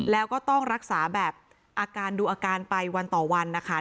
แล้วก็ต้องรักษาแบบอาการดูอาการไปวันต่อวันนะคะ